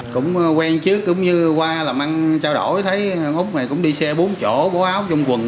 cũng quen trước cũng như qua làm ăn trao đổi thấy úc này cũng đi xe bốn chỗ bố áo trong quần